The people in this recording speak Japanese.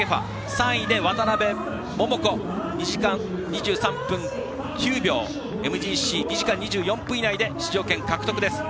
３位で渡邉桃子２時間２３分９秒、ＭＧＣは２時間２４分以内で出場権獲得です。